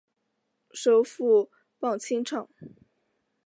首府磅清扬。